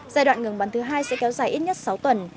giai đoạn ngừng bắn thứ hai sẽ kéo dài ít nhất sáu tuần